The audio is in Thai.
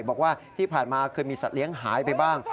บอกว่าที่ผ่านมาเคยมีสัตว์เลี้ยงหายไปบ้าง